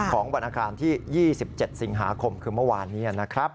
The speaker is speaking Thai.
ของบรรณาคารที่๒๗สิงหาคมคือเมื่อวานนี้